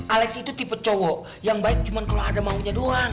alex itu tipe cowok yang baik cuma kalau ada maunya doang